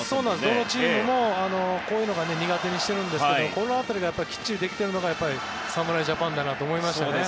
どのチームもこういうのを苦手にしているんですけどこの辺りがきっちりできているのが侍ジャパンだなと思いますね。